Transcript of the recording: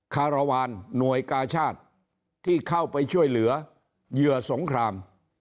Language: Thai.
คารวาลหน่วยกาชาติที่เข้าไปช่วยเหลือเหยื่อสงคราม